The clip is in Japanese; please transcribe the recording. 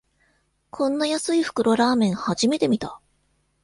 こんな安い袋ラーメン、初めて見た